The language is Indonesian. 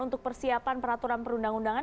untuk persiapan peraturan perundang undangan